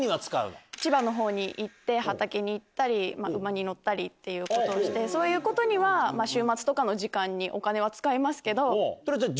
千葉のほうに行って畑に行ったり馬に乗ったりっていうことをしてそういうことには週末とかの時間にお金は使いますけど。